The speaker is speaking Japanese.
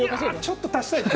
ちょっと足したいな。